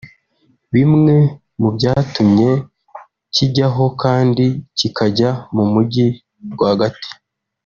Bimwe mu byatumye kijyaho kandi kikajya mu mujyi rwagati